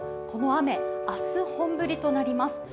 この雨、明日本降りとなります。